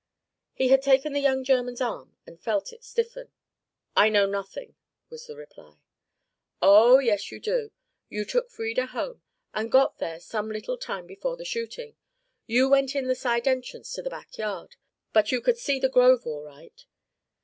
He had taken the young German's arm and felt it stiffen. "I know nothing," was the reply. "Oh, yes, you do. You took Frieda home and got there some little time before the shooting. You went in the side entrance to the back yard, but you could see the grove all right."